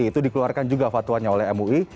itu dikeluarkan juga fatwanya oleh mui